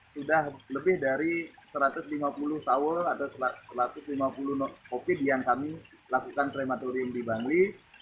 sudah lebih dari satu ratus lima puluh sawul atau satu ratus lima puluh covid yang kami lakukan prematorium di bangli